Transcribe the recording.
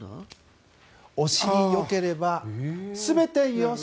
お尻よければ全てよし。